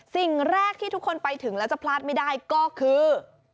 สิ่งแรกที่ทุกคนไปถึงแล้วจะพลาดไม่ได้ก็คือ